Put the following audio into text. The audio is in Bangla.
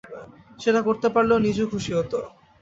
সেটা করতে পারলে, ও নিজেও খুশি হতো।